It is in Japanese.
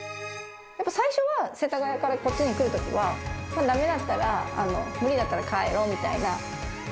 最初は、世田谷からこっちに来るときは、だめだったら、無理だったら帰ろみたいな。